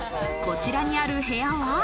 こちらにある部屋は。